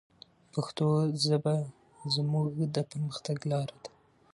پښتو ژبه زموږ د پرمختګ لاره ده.